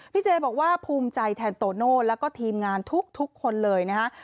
เจบอกว่าภูมิใจแทนโตโน่แล้วก็ทีมงานทุกคนเลยนะฮะ